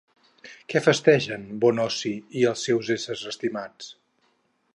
Què festegen Bonosi i els seus éssers estimats?